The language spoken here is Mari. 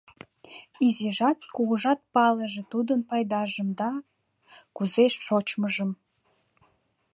Изижат-кугужат палыже тудын пайдажым да... кузе «шочмыжым».